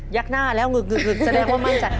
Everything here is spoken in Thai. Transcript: ักหน้าแล้วหึกแสดงว่ามั่นใจ